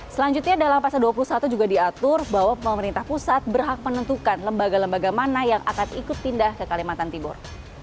selanjutnya dalam pasal dua puluh satu juga diatur bahwa pemerintah pusat berhak menentukan lembaga lembaga mana yang akan ikut pindah ke kalimantan timur